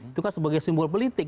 itu kan sebagai simbol politik